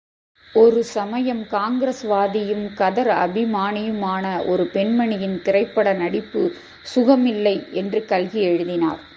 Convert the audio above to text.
ஒரு சமயம் காங்கிரஸ்வாதியும் கதர் அபிமானியுமான ஒரு பெண்மணியின் திரைப்பட நடிப்பு சுகமில்லை என்று கல்கி எழுதினார்.